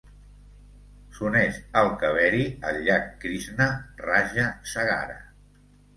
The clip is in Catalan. S'uneix al Kaveri al llac Krishna Raja Sagara.